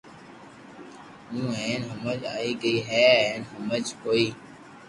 ھو ھين ھمج آئي گئي ھي ھين ھمج ڪوئي